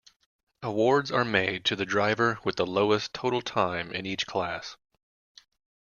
Awards are made to the driver with the lowest total time in each class.